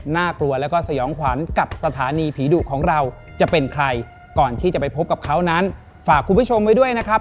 กลัวแล้วก็สยองขวัญกับสถานีผีดุของเราจะเป็นใครก่อนที่จะไปพบกับเขานั้นฝากคุณผู้ชมไว้ด้วยนะครับ